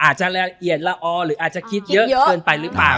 อาจจะละเอียดละออหรืออาจจะคิดเยอะเกินไปหรือเปล่า